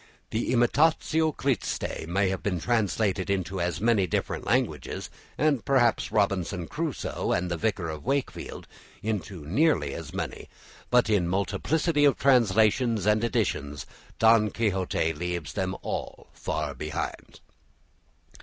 The "Imitatio Christi" may have been translated into as many different languages, and perhaps "Robinson Crusoe" and the "Vicar of Wakefield" into nearly as many, but in multiplicity of translations and editions "Don Quixote" leaves them all far behind.